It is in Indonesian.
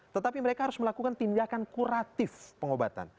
tetapi mereka harus melakukan tindakan kuratif pengobatan